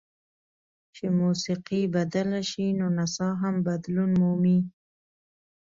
چې موسیقي بدله شي نو نڅا هم بدلون مومي.